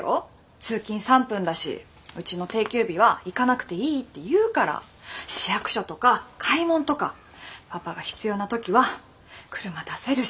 通勤３分だしうちの定休日は行かなくていいって言うから市役所とか買い物とかパパが必要な時は車出せるし。